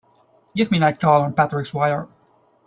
Give me that call on Patrick's wire!